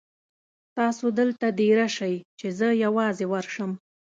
تاسو دلته دېره شئ چې زه یوازې ورشم.